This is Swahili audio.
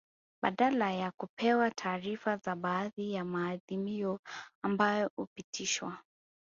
Badala ya kupewa taarifa za baadhi ya maadhimio ambayo hupitishwa